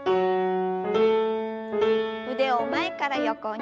腕を前から横に。